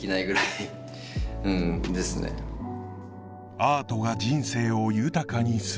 アートが人生を豊かにする